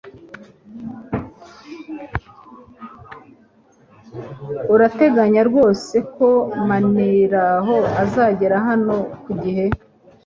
Urateganya rwose ko Maniraho azagera hano ku gihe?